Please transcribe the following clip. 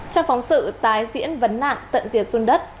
trong phóng sự tái diễn vấn nạn tận diệt xuân đất